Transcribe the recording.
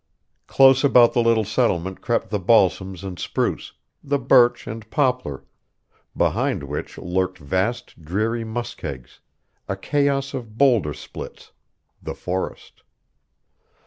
Close about the little settlement crept the balsams and spruce, the birch and poplar, behind which lurked vast dreary muskegs, a chaos of bowlder splits, the forest.